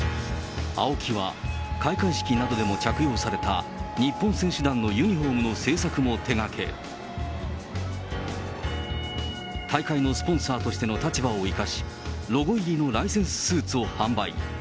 ＡＯＫＩは、開会式などでも着用された、日本選手団のユニホームの製作も手がけ、大会のスポンサーとしての立場を生かし、ロゴ入りのライセンススーツを販売。